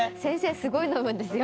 すごい飲むんですよ。